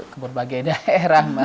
ke berbagai daerah mbak